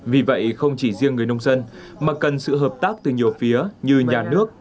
vì vậy không chỉ riêng người nông dân mà cần sự hợp tác từ nhiều phía như nhà nước